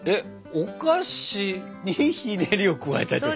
お菓子にひねりを加えたい？